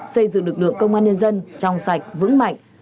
xây dựng lực lượng công an nhân dân trong sạch vững mạnh